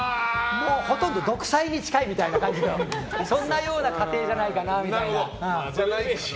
ほとんど独裁に近いみたいな感じのそんなような家庭じゃないかなと。